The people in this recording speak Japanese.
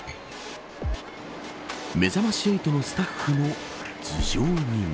めざまし８のスタッフの頭上にも。